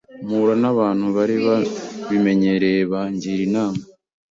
mpura n’abantu bari babimenyereye bangira inama